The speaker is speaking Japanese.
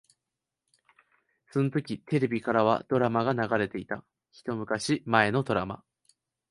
そのときテレビからはドラマが流れていた。一昔前のドラマ。